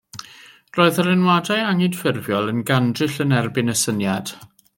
Roedd yr enwadau anghydffurfiol yn gandryll yn erbyn y syniad.